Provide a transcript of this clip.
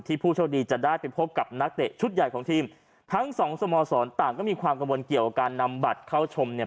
ผู้โชคดีจะได้ไปพบกับนักเตะชุดใหญ่ของทีมทั้งสองสโมสรต่างก็มีความกังวลเกี่ยวกับการนำบัตรเข้าชมเนี่ย